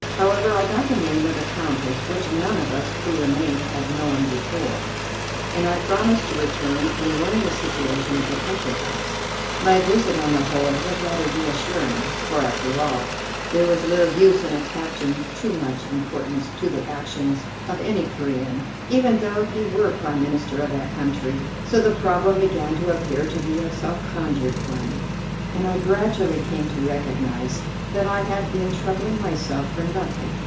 However, I got the name of the Countess, which none of us who remained had known before, and I promised to return and learn the situation of the country house. My visit, on the whole, was rather reassuring; for, after all, there was little use in attaching too much importance to the actions of any Corean, even though he were Prime Minister of that country; so the problem began to appear to be a self conjured one, and I gradually came to recognize that I had been troubling myself for nothing.